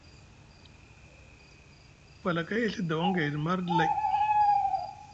Na falakay e Ɵi dawaŋ gayɗi marɗi lay.